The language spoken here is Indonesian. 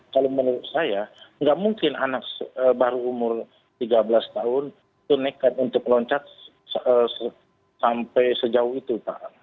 kalau menurut saya nggak mungkin anak baru umur tiga belas tahun itu nekat untuk loncat sampai sejauh itu pak